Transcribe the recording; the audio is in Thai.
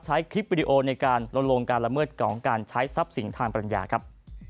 ใช้คลิปวิดีโอในการลดลงการละเมิดของการใช้ทรัพย์สินทางปัญญาครับ